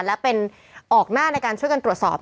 และเป็นออกหน้าในการช่วยกันตรวจสอบ